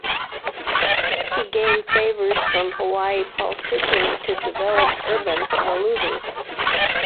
He gained favors from Hawaii politicians to develop urban Honolulu.